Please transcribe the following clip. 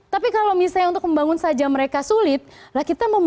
tapi kalau misalnya untuk membangun saja mereka sulit lah kita mau melunaknya kayak apa lagi gitu